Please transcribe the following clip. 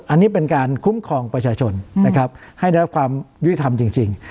อันนี้เป็นการคุ้มครองประชาชนนะครับให้ได้รับความยุติธรรมจริง